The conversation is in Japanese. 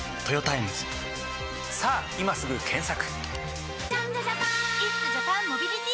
さぁ今すぐ検索！